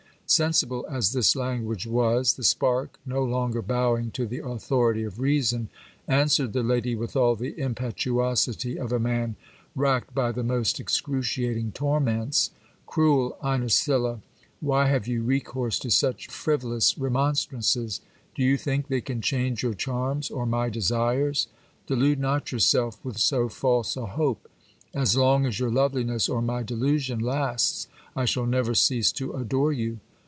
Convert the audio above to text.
Sensible as this language was, the spark, no longer bowing to the authority of reason, answered the lady with all the impetuosity of a man racked by the most excruciating torments : Cruel Inesilla, why have you recourse tc such frivolous remonstrances ? Do you think they can change your charms 01 my desires ? Delude not yourself with so false a hope. As long as your loveli ness or my delusion lasts, I shall never cease to adore you.